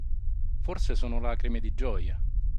Forse sono lacrime di gioia